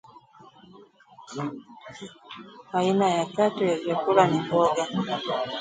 Aina ya tatu ya vyakula ni mboga -